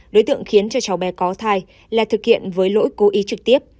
đối tượng khiến cho cháu bé có thai là thực hiện với lỗi cố ý trực tiếp